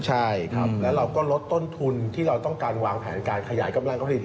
ใช่ครับแล้วเราก็ลดต้นทุนที่เราต้องการวางแผนการขยายกำลังการผลิต